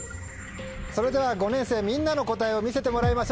それでは５年生みんなの答えを見せてもらいましょう。